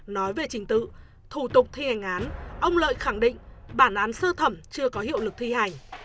nói về trình tự thủ tục thi hành án ông lợi khẳng định bản án sơ thẩm chưa có hiệu lực thi hành